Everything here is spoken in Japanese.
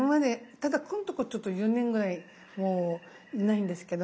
ただここんとこちょっと１０年ぐらいもういないんですけど。